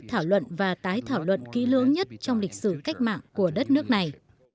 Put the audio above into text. thảo luận và tái thảo luận kỹ lưỡng nhất trong lịch sử cách mạng của đất nước này